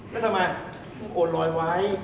แล้วทำไมโอนลอยไว้